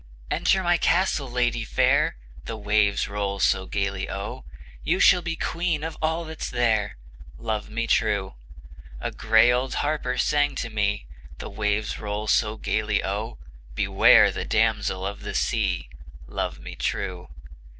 "Enter my castle, lady fair," The waves roll so gayly O, "You shall be queen of all that's there," Love me true! A gray old harper sang to me, The waves roll so gayly O, "Beware of the Damsel of the Sea!" Love me true!